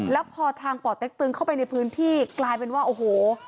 แล้วพอทางป่อเต็กตึงเข้าไปในพื้นที่กลายเป็นว่าโอ้โห